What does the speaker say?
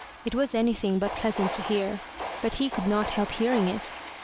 It was anything but pleasant to hear, but he could not help hearing it.